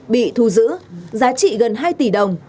bị thu giữ giá trị gần hai tỷ đồng